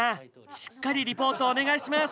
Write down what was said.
しっかりリポートお願いします！